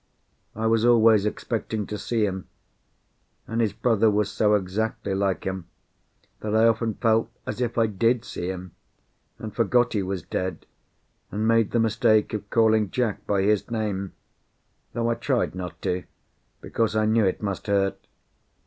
I was always expecting to see him, and his brother was so exactly like him that I often felt as if I did see him and forgot he was dead, and made the mistake of calling Jack by his name; though I tried not to, because I knew it must hurt.